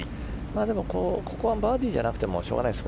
でも、ここはバーディーじゃなくてもしょうがないです。